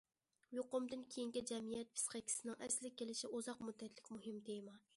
يۇقۇمدىن كېيىنكى جەمئىيەت پىسخىكىسىنىڭ ئەسلىگە كېلىشى ئۇزاق مۇددەتلىك مۇھىم تېما.